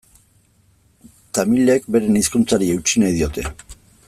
Tamilek beren hizkuntzari eutsi nahi diote.